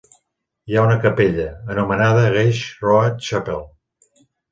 Hi ha una capella, anomenada Gage Road Chapel.